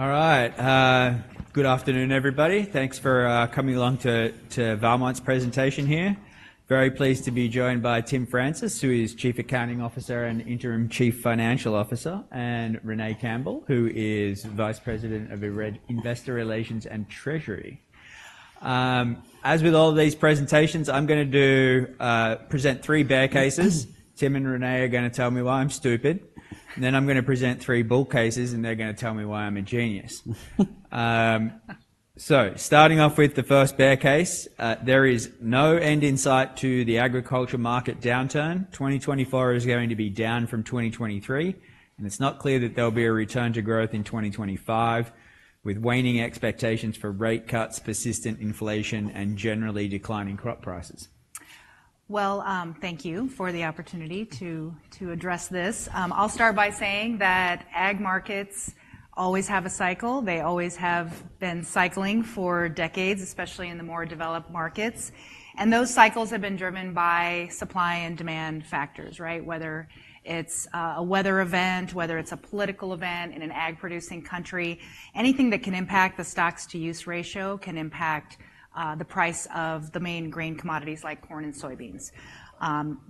All right, good afternoon, everybody. Thanks for coming along to Valmont's presentation here. Very pleased to be joined by Tim Francis, who is Chief Accounting Officer and Interim Chief Financial Officer, and Renee Campbell, who is Vice President of Investor Relations and Treasury. As with all of these presentations, I'm gonna do present three bear cases. Tim and Renee are gonna tell me why I'm stupid, and then I'm gonna present three bull cases, and they're gonna tell me why I'm a genius. So starting off with the first bear case, there is no end in sight to the agriculture market downturn. 2024 is going to be down from 2023, and it's not clear that there'll be a return to growth in 2025, with waning expectations for rate cuts, persistent inflation, and generally declining crop prices. Well, thank you for the opportunity to address this. I'll start by saying that ag markets always have a cycle. They always have been cycling for decades, especially in the more developed markets, and those cycles have been driven by supply and demand factors, right? Whether it's a weather event, whether it's a political event in an ag-producing country, anything that can impact the stocks-to-use ratio can impact the price of the main grain commodities like corn and soybeans.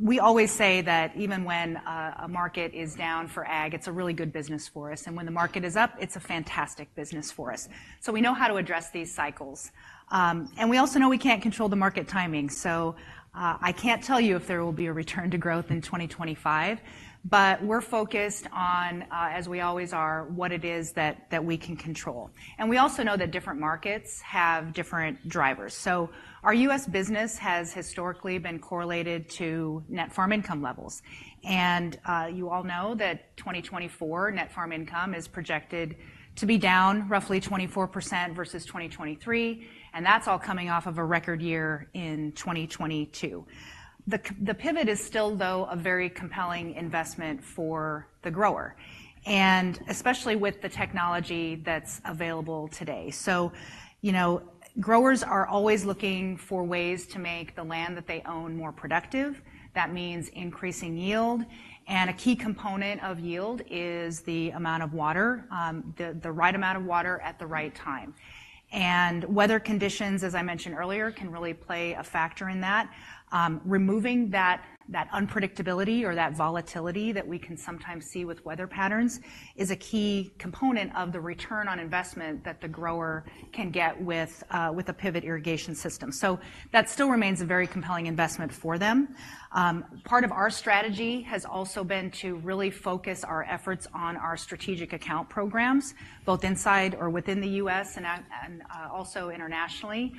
We always say that even when a market is down for ag, it's a really good business for us, and when the market is up, it's a fantastic business for us. So we know how to address these cycles. And we also know we can't control the market timing. So, I can't tell you if there will be a return to growth in 2025, but we're focused on, as we always are, what it is that, that we can control. We also know that different markets have different drivers. Our U.S. business has historically been correlated to net farm income levels, and, you all know that 2024 net farm income is projected to be down roughly 24% versus 2023, and that's all coming off of a record year in 2022. The pivot is still, though, a very compelling investment for the grower, and especially with the technology that's available today. So, you know, growers are always looking for ways to make the land that they own more productive. That means increasing yield, and a key component of yield is the amount of water, the right amount of water at the right time. Weather conditions, as I mentioned earlier, can really play a factor in that. Removing that unpredictability or that volatility that we can sometimes see with weather patterns is a key component of the return on investment that the grower can get with a pivot irrigation system. That still remains a very compelling investment for them. Part of our strategy has also been to really focus our efforts on our strategic account programs, both inside or within the US and also internationally.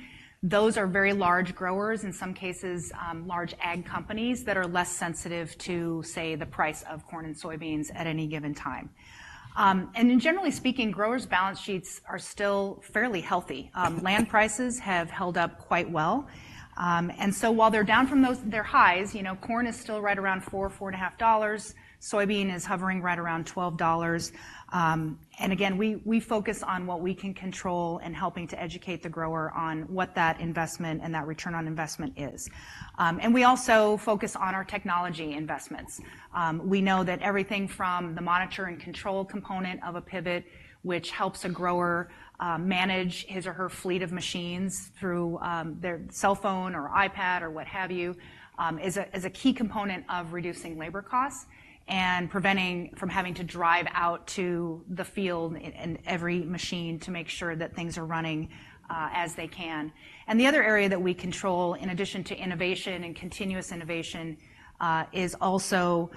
Those are very large growers, in some cases, large ag companies that are less sensitive to, say, the price of corn and soybeans at any given time. And then generally speaking, growers' balance sheets are still fairly healthy. Land prices have held up quite well. And so while they're down from those their highs, you know, corn is still right around $4-$4.5, soybean is hovering right around $12. And again, we focus on what we can control and helping to educate the grower on what that investment and that return on investment is. And we also focus on our technology investments. We know that everything from the monitor-and-control component of a pivot, which helps a grower manage his or her fleet of machines through their cell phone or iPad or what have you, is a key component of reducing labor costs and preventing from having to drive out to the field in every machine to make sure that things are running as they can. The other area that we control, in addition to innovation and continuous innovation, is also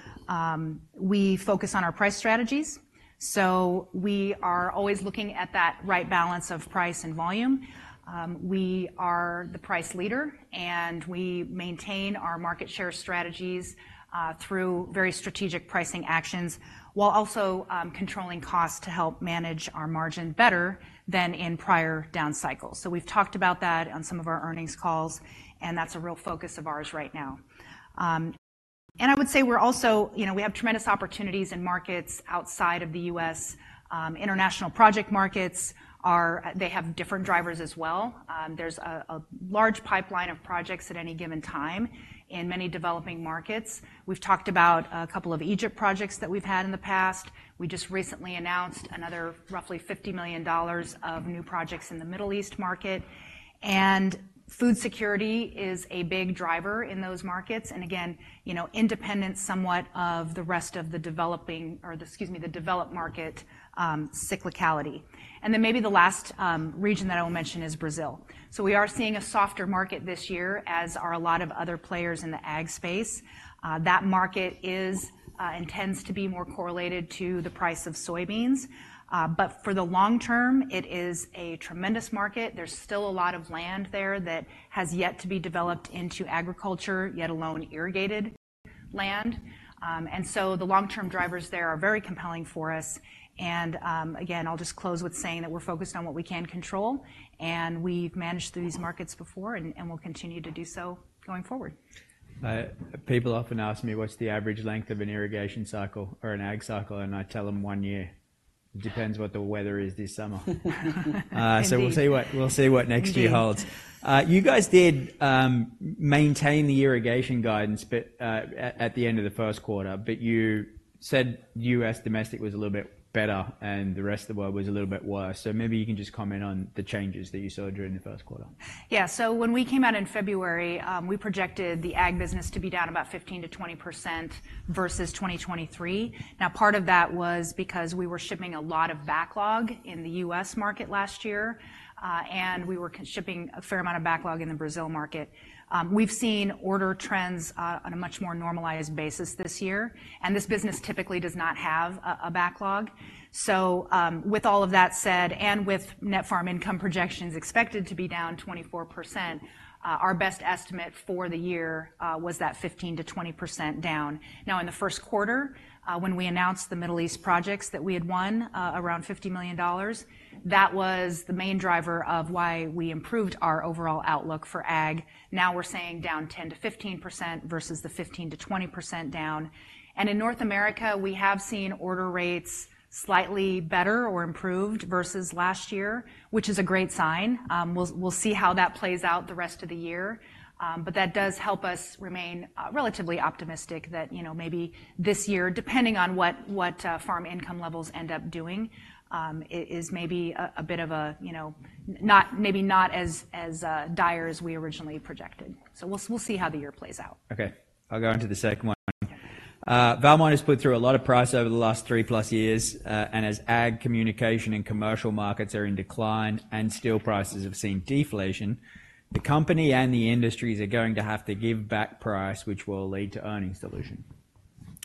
we focus on our price strategies, so we are always looking at that right balance of price and volume. We are the price leader, and we maintain our market share strategies through very strategic pricing actions, while also controlling costs to help manage our margin better than in prior down cycles. So we've talked about that on some of our earnings calls, and that's a real focus of ours right now. And I would say we're also, you know, we have tremendous opportunities in markets outside of the U.S. International project markets are. They have different drivers as well. There's a large pipeline of projects at any given time in many developing markets. We've talked about a couple of Egypt projects that we've had in the past. We just recently announced another roughly $50 million of new projects in the Middle East market, and food security is a big driver in those markets, and again, you know, independent somewhat of the rest of the developing, or the, excuse me, the developed market, cyclicality. And then maybe the last region that I will mention is Brazil. So we are seeing a softer market this year, as are a lot of other players in the ag space. That market is, and tends to be more correlated to the price of soybeans. But for the long term, it is a tremendous market. There's still a lot of land there that has yet to be developed into agriculture, yet alone irrigated land. And so the long-term drivers there are very compelling for us, and, again, I'll just close with saying that we're focused on what we can control, and we've managed through these markets before, and, and we'll continue to do so going forward. People often ask me, "What's the average length of an irrigation cycle or an ag cycle?" And I tell them, "One year." It depends what the weather is this summer. Indeed. So we'll see what next year holds. Indeed. You guys did maintain the irrigation guidance, but at the end of the first quarter, but you said US domestic was a little bit better, and the rest of the world was a little bit worse. So maybe you can just comment on the changes that you saw during the first quarter. Yeah. So when we came out in February, we projected the ag business to be down about 15%-20% versus 2023. Now, part of that was because we were shipping a lot of backlog in the U.S. market last year, and we were shipping a fair amount of backlog in the Brazil market. We've seen order trends on a much more normalized basis this year, and this business typically does not have a backlog. So, with all of that said, and with net farm income projections expected to be down 24%, our best estimate for the year was that 15%-20% down. Now, in the first quarter, when we announced the Middle East projects that we had won, around $50 million, that was the main driver of why we improved our overall outlook for ag. Now we're saying down 10%-15% versus the 15%-20% down. And in North America, we have seen order rates slightly better or improved versus last year, which is a great sign. We'll see how that plays out the rest of the year. But that does help us remain relatively optimistic that, you know, maybe this year, depending on what farm income levels end up doing, it is maybe a bit of a, you know, not—maybe not as dire as we originally projected. So we'll see how the year plays out. Okay. I'll go on to the second one. Yeah. Valmont has put through a lot of price over the last 3+ years, and as ag, communication and commercial markets are in decline and steel prices have seen deflation, the company and the industries are going to have to give back price, which will lead to earnings dilution.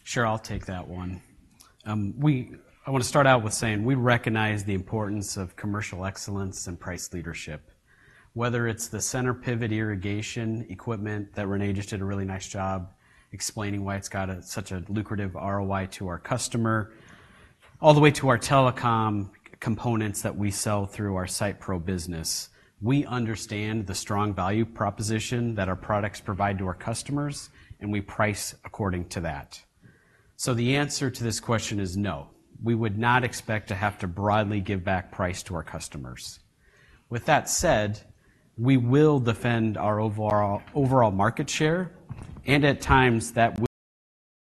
Sure, I'll take that one. I wanna start out with saying we recognize the importance of commercial excellence and price leadership. Whether it's the center pivot irrigation equipment that Renee just did a really nice job explaining why it's got such a lucrative ROI to our customer, all the way to our telecom components that we sell through our Site Pro business. We understand the strong value proposition that our products provide to our customers, and we price according to that. So the answer to this question is no, we would not expect to have to broadly give back price to our customers. With that said, we will defend our overall market share, and at times, that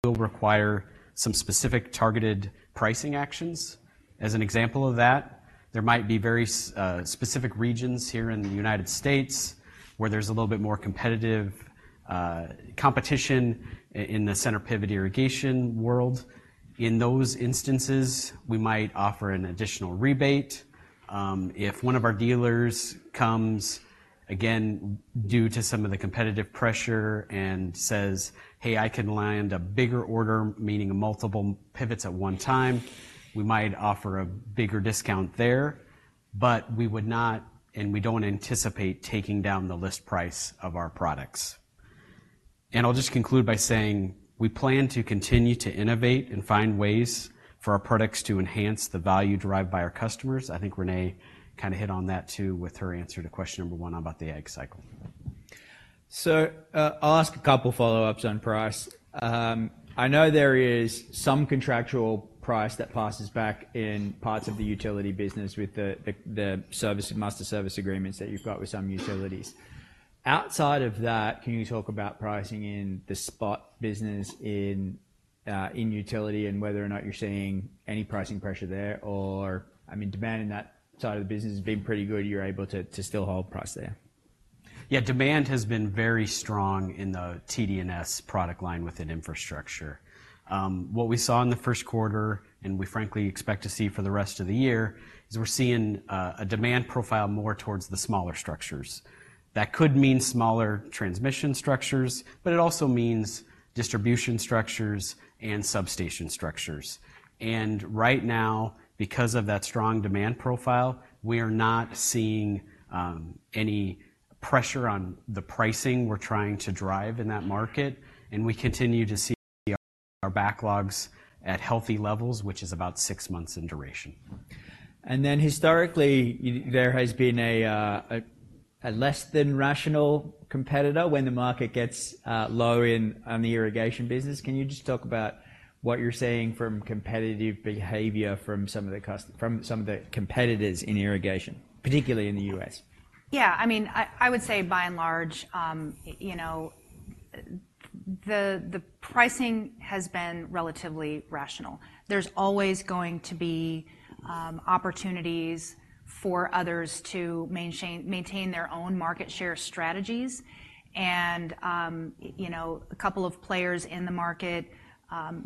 will require some specific targeted pricing actions. As an example of that, there might be very specific regions here in the United States where there's a little bit more competitive competition in the center pivot irrigation world. In those instances, we might offer an additional rebate. If one of our dealers comes, again, due to some of the competitive pressure and says, "Hey, I can land a bigger order," meaning multiple pivots at one time, we might offer a bigger discount there, but we would not, and we don't anticipate taking down the list price of our products. I'll just conclude by saying we plan to continue to innovate and find ways for our products to enhance the value derived by our customers. I think Renee kinda hit on that, too, with her answer to question number one about the ag cycle. So, I'll ask a couple follow-ups on price. I know there is some contractual price that passes back in parts of the utility business with the service, master service agreements that you've got with some utilities. Outside of that, can you talk about pricing in the spot business in utility and whether or not you're seeing any pricing pressure there, or, I mean, demand in that side of the business has been pretty good, you're able to still hold price there? Yeah, demand has been very strong in the TD&S product line within infrastructure. What we saw in the first quarter, and we frankly expect to see for the rest of the year, is we're seeing a demand profile more towards the smaller structures. That could mean smaller transmission structures, but it also means distribution structures and substation structures. And right now, because of that strong demand profile, we are not seeing any pressure on the pricing we're trying to drive in that market, and we continue to see our backlogs at healthy levels, which is about six months in duration. And then historically, there has been a less than rational competitor when the market gets low in on the irrigation business. Can you just talk about what you're seeing from competitive behavior from some of the cust-- from some of the competitors in irrigation, particularly in the U.S.? Yeah, I mean, I would say by and large, you know, the pricing has been relatively rational. There's always going to be opportunities for others to maintain their own market share strategies. And, you know, a couple of players in the market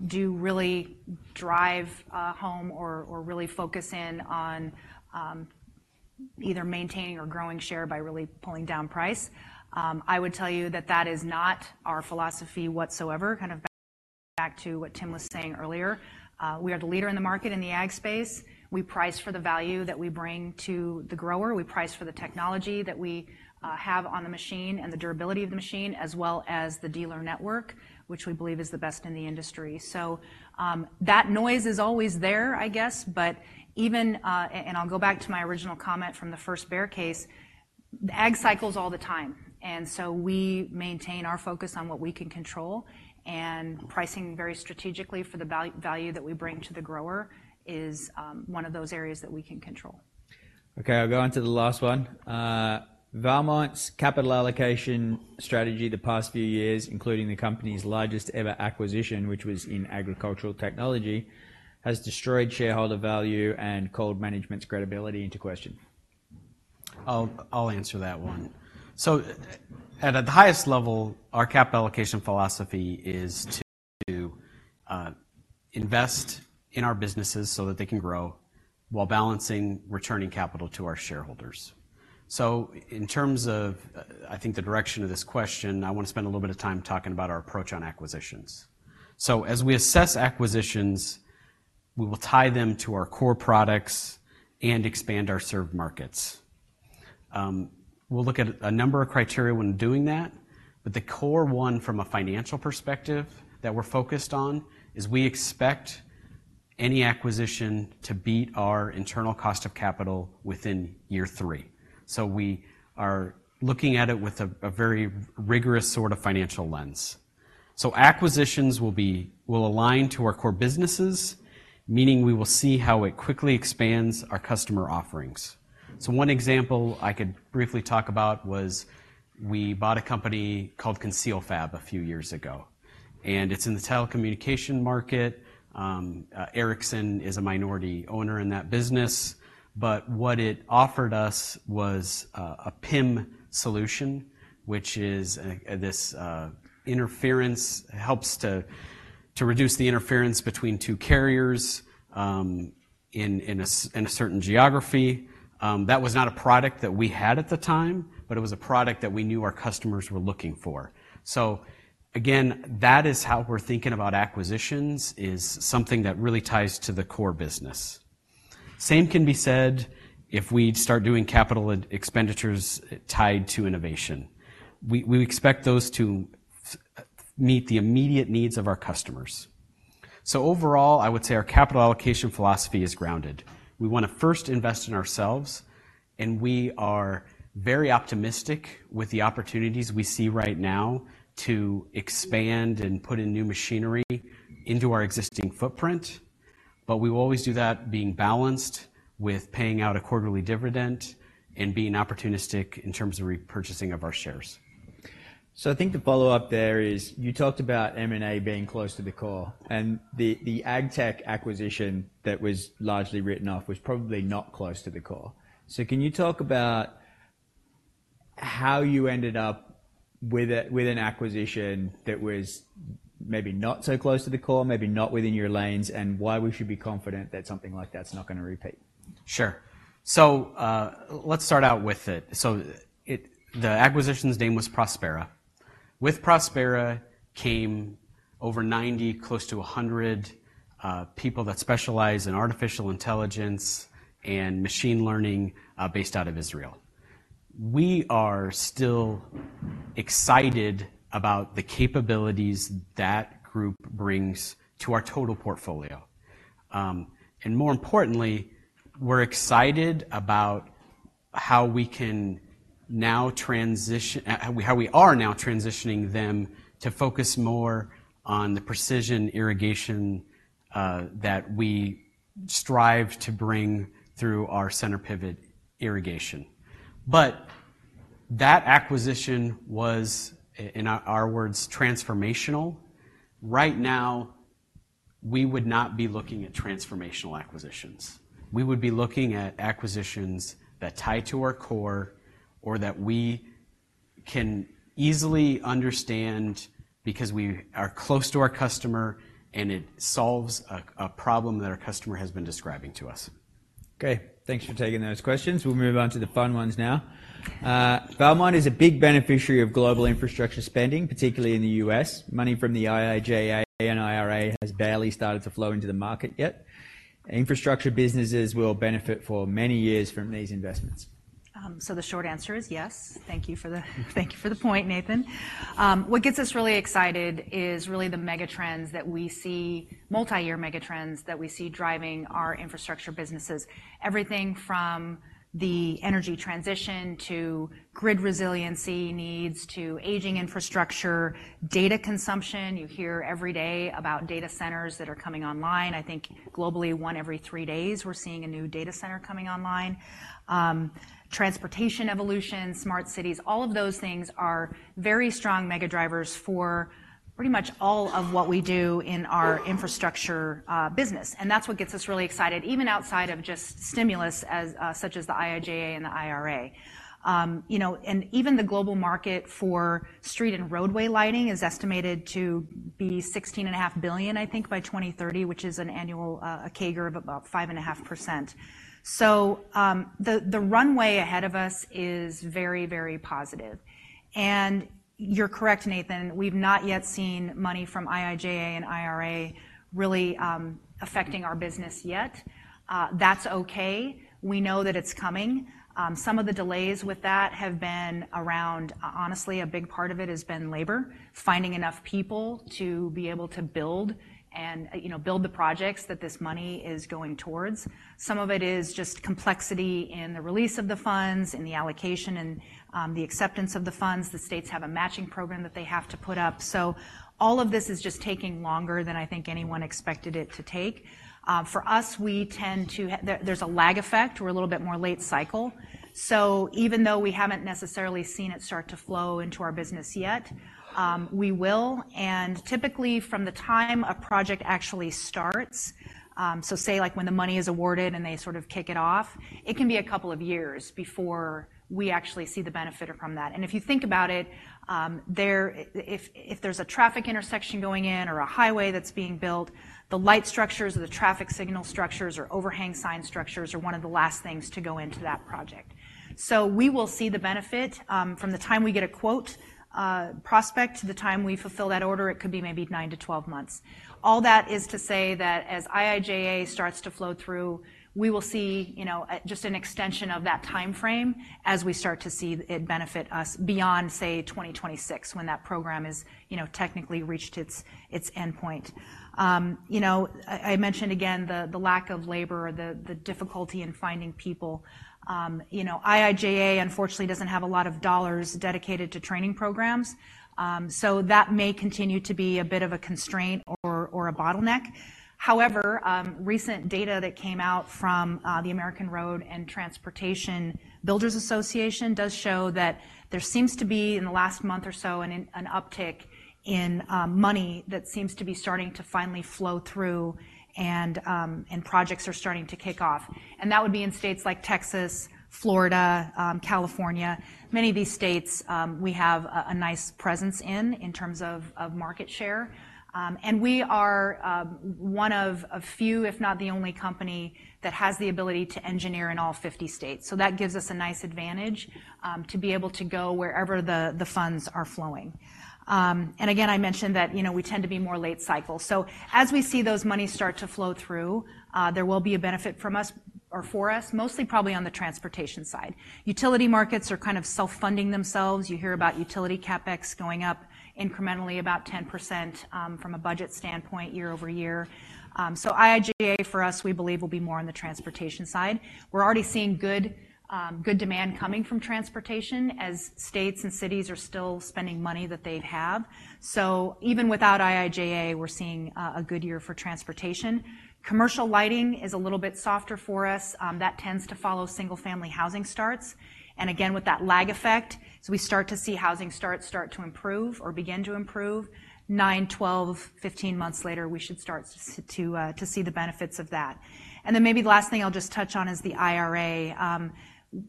do really drive home or really focus in on either maintaining or growing share by really pulling down price. I would tell you that that is not our philosophy whatsoever. Kind of back to what Tim was saying earlier, we are the leader in the market in the ag space. We price for the value that we bring to the grower. We price for the technology that we have on the machine and the durability of the machine, as well as the dealer network, which we believe is the best in the industry. So, that noise is always there, I guess, but even and I'll go back to my original comment from the first bear case. The ag cycles all the time, and so we maintain our focus on what we can control, and pricing very strategically for the value that we bring to the grower is one of those areas that we can control. Okay, I'll go on to the last one. Valmont's capital allocation strategy the past few years, including the company's largest-ever acquisition, which was in agricultural technology, has destroyed shareholder value and called management's credibility into question. I'll answer that one. So at the highest level, our capital allocation philosophy is to invest in our businesses so that they can grow while balancing returning capital to our shareholders. So in terms of, I think, the direction of this question, I want to spend a little bit of time talking about our approach on acquisitions. So as we assess acquisitions, we will tie them to our core products and expand our served markets. We'll look at a number of criteria when doing that, but the core one from a financial perspective that we're focused on is we expect any acquisition to beat our internal cost of capital within year three. So we are looking at it with a very rigorous sort of financial lens. So acquisitions will be, will align to our core businesses, meaning we will see how it quickly expands our customer offerings. So one example I could briefly talk about was we bought a company called ConcealFab a few years ago, and it's in the telecommunication market. Ericsson is a minority owner in that business, but what it offered us was a PIM solution, which is this interference helps to reduce the interference between two carriers in a certain geography. That was not a product that we had at the time, but it was a product that we knew our customers were looking for. So again, that is how we're thinking about acquisitions, is something that really ties to the core business. Same can be said if we start doing capital expenditures tied to innovation. We expect those to meet the immediate needs of our customers. So overall, I would say our capital allocation philosophy is grounded. We want to first invest in ourselves, and we are very optimistic with the opportunities we see right now to expand and put in new machinery into our existing footprint. But we will always do that being balanced with paying out a quarterly dividend and being opportunistic in terms of repurchasing of our shares. So I think the follow-up there is, you talked about M&A being close to the core, and the ag tech acquisition that was largely written off was probably not close to the core. So can you talk about how you ended up with an acquisition that was maybe not so close to the core, maybe not within your lanes, and why we should be confident that something like that's not gonna repeat? Sure. So, let's start out with it. So it, the acquisition's name was Prospera. With Prospera came over 90, close to 100, people that specialize in artificial intelligence and machine learning, based out of Israel. We are still excited about the capabilities that group brings to our total portfolio. And more importantly, we're excited about how we can now transition, how we are now transitioning them to focus more on the precision irrigation, that we strive to bring through our center pivot irrigation. But that acquisition was, in our words, transformational. Right now, we would not be looking at transformational acquisitions. We would be looking at acquisitions that tie to our core or that we can easily understand because we are close to our customer, and it solves a problem that our customer has been describing to us. Okay, thanks for taking those questions. We'll move on to the fun ones now. Valmont is a big beneficiary of global infrastructure spending, particularly in the U.S. Money from the IIJA and IRA has barely started to flow into the market yet. Infrastructure businesses will benefit for many years from these investments. So the short answer is yes. Thank you for the, thank you for the point, Nathan. What gets us really excited is really the mega trends that we see, multi-year mega trends that we see driving our infrastructure businesses. Everything from the energy transition to grid resiliency needs to aging infrastructure, data consumption. You hear every day about data centers that are coming online. I think globally, one every three days, we're seeing a new data center coming online. Transportation evolution, smart cities, all of those things are very strong mega drivers for pretty much all of what we do in our infrastructure business. And that's what gets us really excited, even outside of just stimulus as such as the IIJA and the IRA. You know, even the global market for street and roadway lighting is estimated to be $16.5 billion, I think, by 2030, which is an annual CAGR of about 5.5%. So, the runway ahead of us is very, very positive. And you're correct, Nathan, we've not yet seen money from IIJA and IRA really affecting our business yet. That's okay. We know that it's coming. Some of the delays with that have been around, honestly, a big part of it has been labor, finding enough people to be able to build and, you know, build the projects that this money is going towards. Some of it is just complexity in the release of the funds, in the allocation, and the acceptance of the funds. The states have a matching program that they have to put up. So all of this is just taking longer than I think anyone expected it to take. For us, we tend to. There's a lag effect. We're a little bit more late cycle. So even though we haven't necessarily seen it start to flow into our business yet, we will. And typically from the time a project actually starts, so say like when the money is awarded and they sort of kick it off, it can be a couple of years before we actually see the benefit from that. And if you think about it, if there's a traffic intersection going in or a highway that's being built, the light structures or the traffic signal structures or overhang sign structures are one of the last things to go into that project. So we will see the benefit from the time we get a quote prospect to the time we fulfill that order. It could be maybe 9-12 months. All that is to say that as IIJA starts to flow through, we will see you know just an extension of that time frame as we start to see it benefit us beyond say 2026 when that program is you know technically reached its its endpoint. You know I mentioned again the lack of labor the difficulty in finding people. You know IIJA unfortunately doesn't have a lot of dollars dedicated to training programs so that may continue to be a bit of a constraint or a bottleneck. However, recent data that came out from, uh, the American Road and Transportation Builders Association does show that there seems to be, in the last month or so, an uptick in, money that seems to be starting to finally flow through, and projects are starting to kick off. And that would be in states like Texas, Florida, California. Many of these states, we have a nice presence in, in terms of market share. And we are one of a few, if not the only company, that has the ability to engineer in all 50 states. So that gives us a nice advantage to be able to go wherever the funds are flowing. And again, I mentioned that, you know, we tend to be more late cycle. So as we see those monies start to flow through, there will be a benefit from us or for us, mostly probably on the transportation side. Utility markets are kind of self-funding themselves. You hear about utility CapEx going up incrementally about 10%, from a budget standpoint year over year. So IIJA, for us, we believe, will be more on the transportation side. We're already seeing good, good demand coming from transportation as states and cities are still spending money that they'd have. So even without IIJA, we're seeing a good year for transportation. Commercial lighting is a little bit softer for us. That tends to follow single-family housing starts. And again, with that lag effect, as we start to see housing starts start to improve or begin to improve, 9, 12, 15 months later, we should start to see the benefits of that. And then maybe the last thing I'll just touch on is the IRA.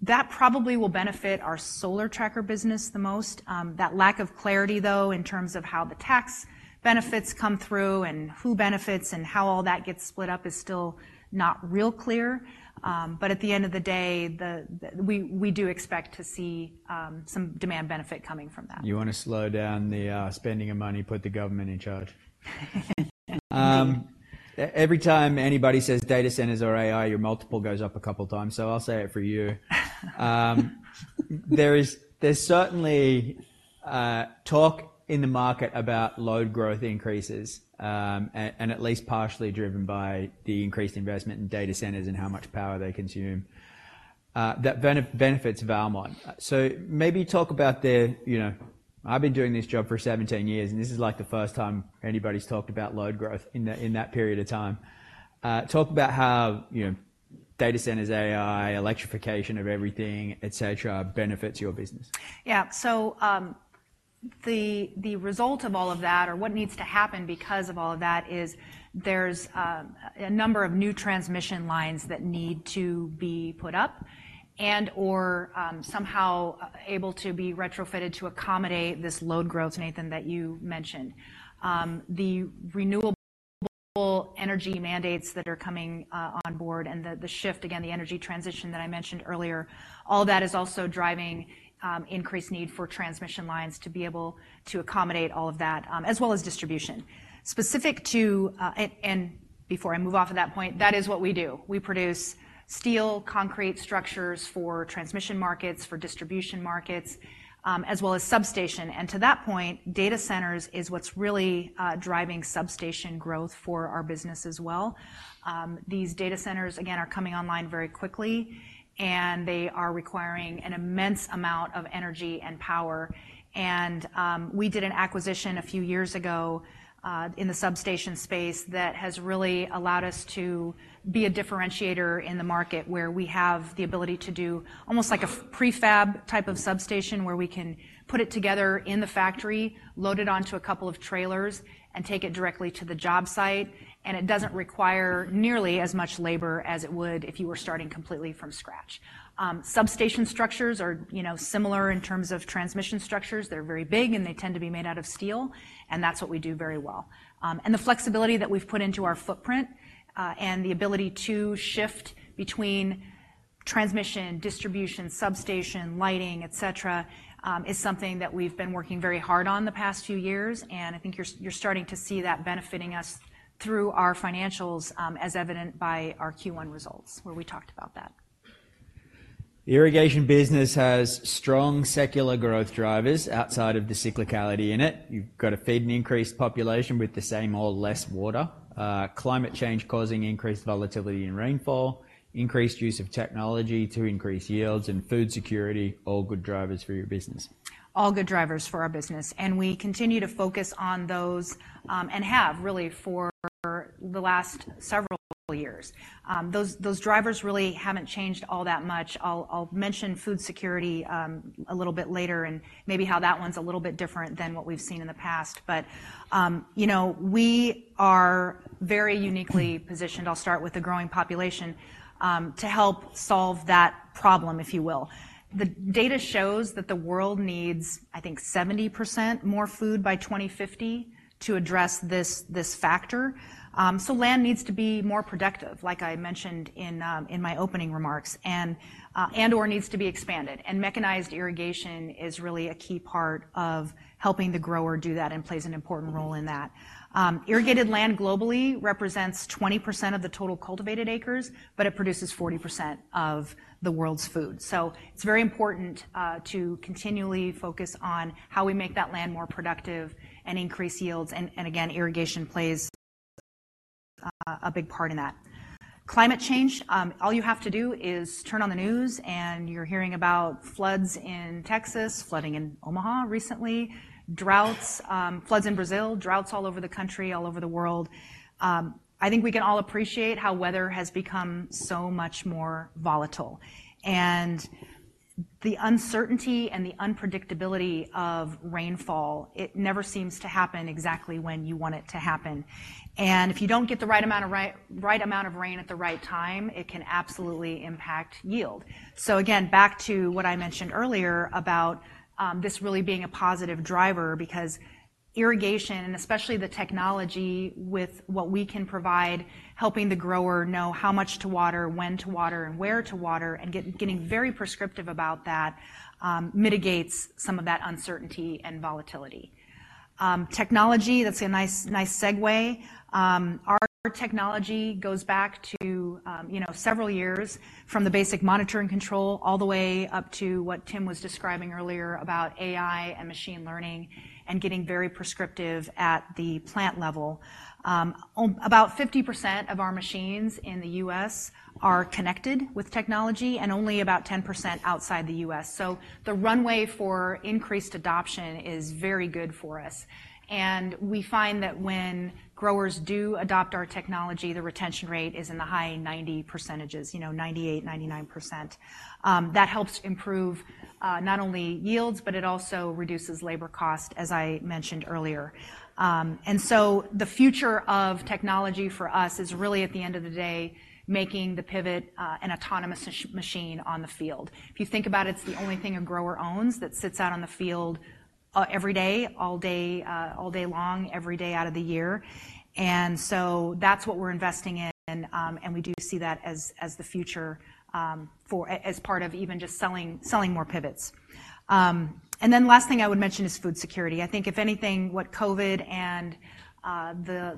That probably will benefit our solar tracker business the most. That lack of clarity, though, in terms of how the tax benefits come through and who benefits and how all that gets split up is still not real clear. But at the end of the day, we do expect to see some demand benefit coming from that. You want to slow down the spending of money, put the government in charge. Every time anybody says data centers or AI, your multiple goes up a couple of times. So I'll say it for you. There's certainly talk in the market about load growth increases, and at least partially driven by the increased investment in data centers and how much power they consume, that benefits Valmont. So maybe talk about the... You know, I've been doing this job for 17 years, and this is, like, the first time anybody's talked about load growth in that period of time. Talk about how, you know, data centers, AI, electrification of everything, et cetera, benefits your business. Yeah. So, the result of all of that, or what needs to happen because of all of that, is there's a number of new transmission lines that need to be put up and, or, somehow able to be retrofitted to accommodate this load growth, Nathan, that you mentioned. The renewable energy mandates that are coming on board and the shift, again, the energy transition that I mentioned earlier, all that is also driving increased need for transmission lines to be able to accommodate all of that, as well as distribution. Specific to... And before I move off of that point, that is what we do. We produce steel, concrete structures for transmission markets, for distribution markets... as well as substation. And to that point, data centers is what's really driving substation growth for our business as well. These data centers, again, are coming online very quickly, and they are requiring an immense amount of energy and power. We did an acquisition a few years ago in the substation space, that has really allowed us to be a differentiator in the market, where we have the ability to do almost like a prefab type of substation, where we can put it together in the factory, load it onto a couple of trailers, and take it directly to the job site. It doesn't require nearly as much labor as it would if you were starting completely from scratch. Substation structures are, you know, similar in terms of transmission structures. They're very big, and they tend to be made out of steel, and that's what we do very well. The flexibility that we've put into our footprint, and the ability to shift between transmission, distribution, substation, lighting, et cetera, is something that we've been working very hard on the past few years, and I think you're, you're starting to see that benefiting us through our financials, as evident by our Q1 results, where we talked about that. The irrigation business has strong secular growth drivers outside of the cyclicality in it. You've got to feed an increased population with the same or less water, climate change causing increased volatility in rainfall, increased use of technology to increase yields and food security. All good drivers for your business. All good drivers for our business, and we continue to focus on those, and have really for the last several years. Those drivers really haven't changed all that much. I'll mention food security a little bit later and maybe how that one's a little bit different than what we've seen in the past. But you know, we are very uniquely positioned. I'll start with the growing population to help solve that problem, if you will. The data shows that the world needs, I think, 70% more food by 2050 to address this factor. So land needs to be more productive, like I mentioned in my opening remarks, and/or needs to be expanded. Mechanized irrigation is really a key part of helping the grower do that and plays an important role in that. Irrigated land globally represents 20% of the total cultivated acres, but it produces 40% of the world's food. So it's very important to continually focus on how we make that land more productive and increase yields, and again, irrigation plays a big part in that. Climate change, all you have to do is turn on the news, and you're hearing about floods in Texas, flooding in Omaha recently, droughts, floods in Brazil, droughts all over the country, all over the world. I think we can all appreciate how weather has become so much more volatile, and the uncertainty and the unpredictability of rainfall, it never seems to happen exactly when you want it to happen. And if you don't get the right amount of rain at the right time, it can absolutely impact yield. So again, back to what I mentioned earlier about, this really being a positive driver because irrigation, especially the technology with what we can provide, helping the grower know how much to water, when to water and where to water, and getting very prescriptive about that, mitigates some of that uncertainty and volatility. Technology, that's a nice segue. Our technology goes back to, you know, several years from the basic monitor and control all the way up to what Tim was describing earlier about AI and machine learning and getting very prescriptive at the plant level. About 50% of our machines in the U.S. are connected with technology and only about 10% outside the U.S. So the runway for increased adoption is very good for us, and we find that when growers do adopt our technology, the retention rate is in the high 90 percentages, you know, 98, 99%. That helps improve not only yields, but it also reduces labor cost, as I mentioned earlier. And so the future of technology for us is really, at the end of the day, making the pivot an autonomous machine on the field. If you think about it, it's the only thing a grower owns that sits out on the field every day, all day, all day long, every day out of the year. And so that's what we're investing in, and we do see that as the future for as part of even just selling, selling more pivots. And then last thing I would mention is food security. I think if anything, what COVID and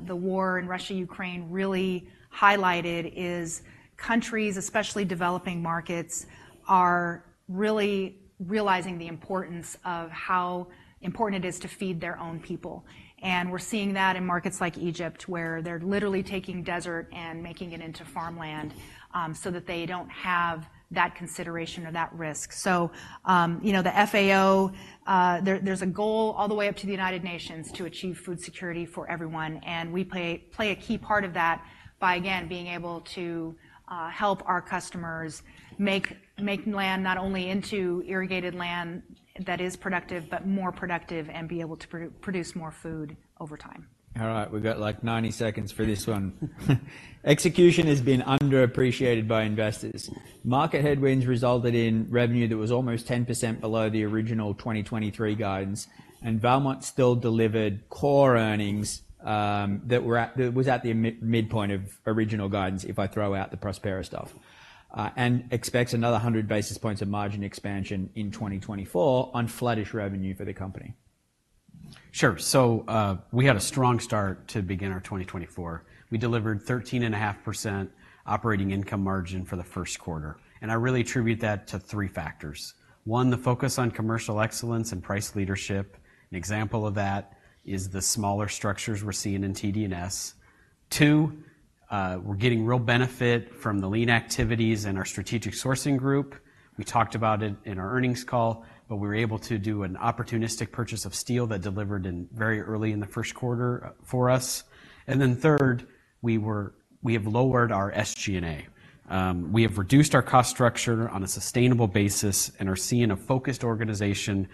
the war in Russia, Ukraine really highlighted is countries, especially developing markets, are really realizing the importance of how important it is to feed their own people. And we're seeing that in markets like Egypt, where they're literally taking desert and making it into farmland, so that they don't have that consideration or that risk. So, you know, the FAO, there's a goal all the way up to the United Nations to achieve food security for everyone, and we play a key part of that by again, being able to help our customers make land not only into irrigated land that is productive, but more productive and be able to produce more food over time. All right, we've got, like, 90 seconds for this one. Execution has been underappreciated by investors. Market headwinds resulted in revenue that was almost 10% below the original 2023 guidance, and Valmont still delivered core earnings that were at the midpoint of original guidance, if I throw out the Prospera stuff, and expects another 100 basis points of margin expansion in 2024 on flattish revenue for the company. Sure. So, we had a strong start to begin our 2024. We delivered 13.5% operating income margin for the first quarter, and I really attribute that to three factors. One, the focus on commercial excellence and price leadership. An example of that is the smaller structures we're seeing in TD&S. Two, we're getting real benefit from the lean activities in our strategic sourcing group. We talked about it in our earnings call, but we were able to do an opportunistic purchase of steel that delivered very early in the first quarter for us. And then third, we have lowered our SG&A. We have reduced our cost structure on a sustainable basis and are seeing a focused organization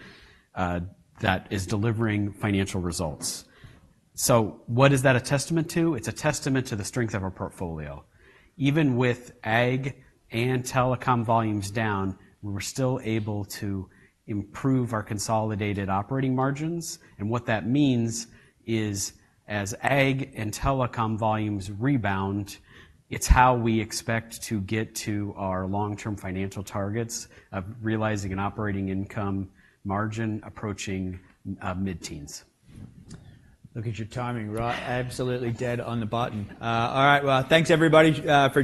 that is delivering financial results. So what is that a testament to? It's a testament to the strength of our portfolio. Even with ag and telecom volumes down, we were still able to improve our consolidated operating margins, and what that means is as ag and telecom volumes rebound, it's how we expect to get to our long-term financial targets of realizing an operating income margin approaching mid-teens. Look at your timing, Rob. Absolutely dead on the button. All right. Well, thanks, everybody, for-